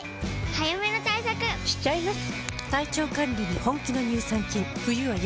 早めの対策しちゃいます。